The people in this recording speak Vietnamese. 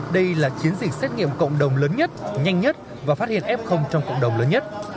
đây là chiến dịch xét nghiệm cộng đồng lớn nhất nhanh nhất và phát hiện f trong cộng đồng lớn nhất